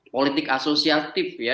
politik asosiatif ya